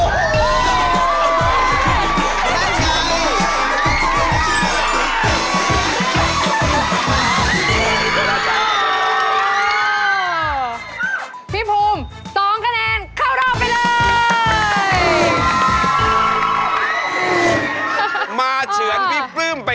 อดีตแค่กิจเทปนี้